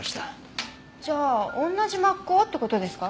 じゃあ同じ抹香って事ですか？